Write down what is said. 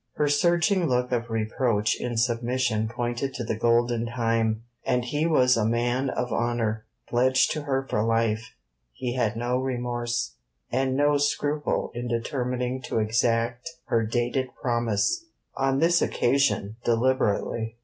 Her surging look of reproach in submission pointed to the golden time, and as he was a man of honour, pledged to her for life, he had no remorse, and no scruple in determining to exact her dated promise, on this occasion deliberately.